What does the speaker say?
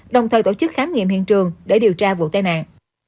đồng thời tổ chức khám nghiệm hiện trường để điều tra vụ tai nạn